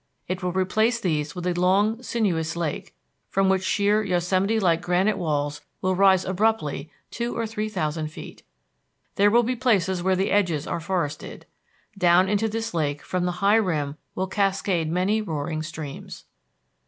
It will replace these with a long sinuous lake, from which sheer Yosemite like granite walls will rise abruptly two or three thousand feet. There will be places where the edges are forested. Down into this lake from the high rim will cascade many roaring streams.